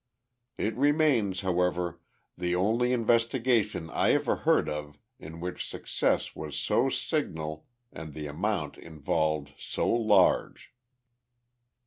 It remains, however, the only investigation I ever heard of in which success was so signal and the amount involved so large.